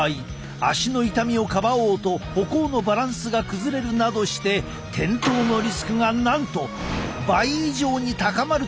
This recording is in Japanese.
足の痛みをかばおうと歩行のバランスが崩れるなどして転倒のリスクがなんと倍以上に高まるという研究もあるのだ。